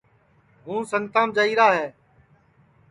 ہُوں سنگتام جائیرا ہے